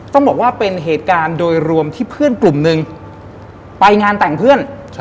ต้องบอกว่าเป็นเหตุการณ์โดยรวมที่เพื่อนกลุ่มหนึ่งไปงานแต่งเพื่อน